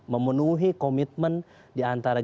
memenuhi komitmen diantara